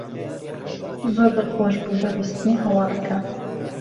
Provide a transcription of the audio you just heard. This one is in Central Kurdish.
زۆر دڵخۆش بووم بە بیستنی هەواڵەکە.